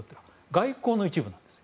外交の一部なんです。